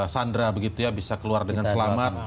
sandra begitu ya bisa keluar dengan selamat